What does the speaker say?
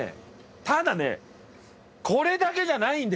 ただねこれだけじゃないんですよ。